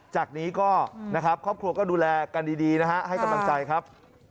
จากนี้ก็นะครับครอบครัวก็ดูแลกันดีนะฮะให้กำลังใจครับ